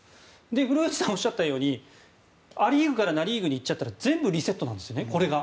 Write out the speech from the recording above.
古内さんがおっしゃったようにア・リーグからナ・リーグに行ってしまうと全部リセットなんです、これが。